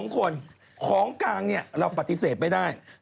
๒คนของกลางเราปฏิเสธไม่ได้